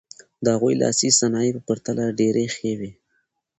د هغوی لاسي صنایع په پرتله ډېرې ښې وې.